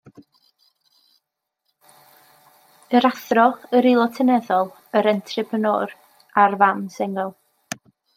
Yr athro, yr Aelod Seneddol, yr entrepreneur a'r fam sengl.